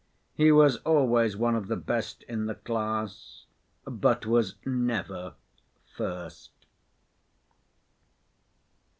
He was always one of the best in the class but was never first.